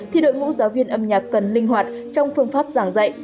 thì đội ngũ giáo viên âm nhạc cần linh hoạt trong phương pháp giảng dạy